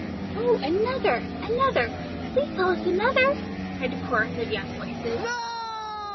"Oh, another! another! Please tell us another?" cried a chorus of young voices.